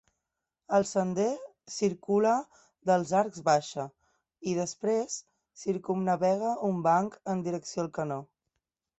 El sender circular dels arcs baixa i, després, circumnavega un banc en direcció al canó.